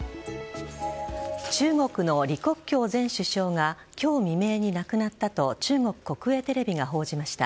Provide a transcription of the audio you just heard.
中国の李克強前首相が今日未明に亡くなったと中国国営テレビが報じました。